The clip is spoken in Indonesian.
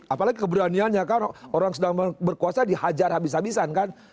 apalagi keberaniannya kan orang sedang berkuasa dihajar habis habisan kan